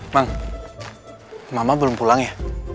bang mama belum pulang ya